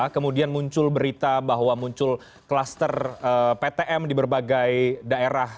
kemudian muncul berita bahwa muncul kluster ptm di berbagai daerah